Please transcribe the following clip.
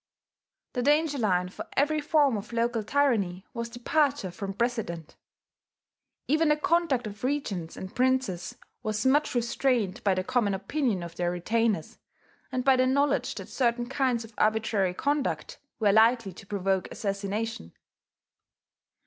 The danger line for every form of local tyranny was departure from precedent. Even the conduct of regents and princes was much restrained by the common opinion of their retainers, and by the knowledge that certain kinds of arbitrary conduct were likely to provoke assassination.